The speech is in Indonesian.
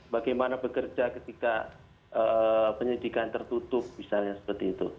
bagaimana bekerja ketika penyidikan tertutup misalnya seperti itu